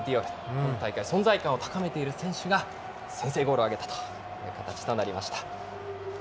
今大会存在感を高めている選手が先制ゴールを挙げたという形となりました。